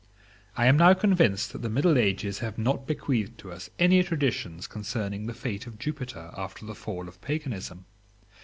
I am now convinced that the middle ages have not bequeathed to us any traditions concerning the fate of Jupiter after the fall of Paganism.